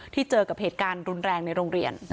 เจอกับเหตุการณ์รุนแรงในโรงเรียน